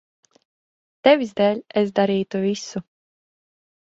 Tevis dēļ es darītu visu.